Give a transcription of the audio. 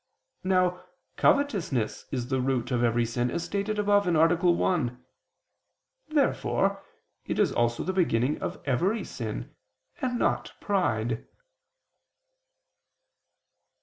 Now covetousness is the root of every sin, as stated above (A. 1). Therefore it is also the beginning of every sin, and not pride.